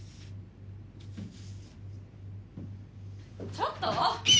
・ちょっと！